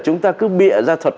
chúng ta cứ bịa ra thuật